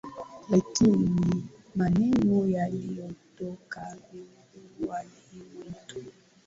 Lakini maneno yaliyotoka vinywani mwetu.